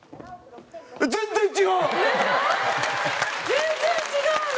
全然違うの！